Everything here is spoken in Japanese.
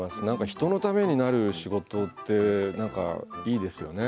人のためになる仕事って何かいいですよね。